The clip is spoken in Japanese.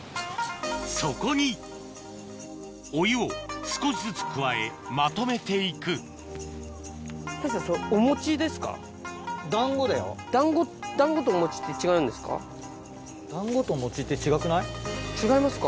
そこにお湯を少しずつ加えまとめて行く違いますか？